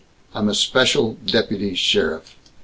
I'm a special deputy sheriff."